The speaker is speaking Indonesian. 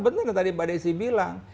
sebenarnya tadi pak desi bilang